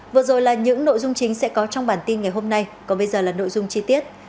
vừa rồi là những nội dung chính sẽ có trong bản tin ngày hôm nay còn bây giờ là nội dung chi tiết